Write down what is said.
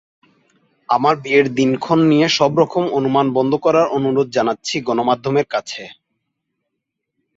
আমার বিয়ের দিনক্ষণ নিয়ে সবরকম অনুমান বন্ধ করার অনুরোধ জানাচ্ছি গণমাধ্যমের কাছে।